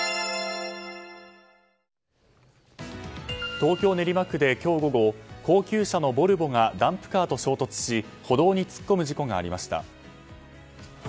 東京・練馬区で今日午後高級車のボルボがダンプカーと衝突し歩道に突っ込む事故がありました。